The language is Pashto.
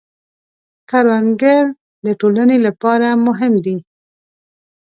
کروندګر د ټولنې لپاره مهم دی